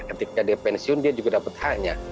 ketika dia pensiun dia juga dapat hanya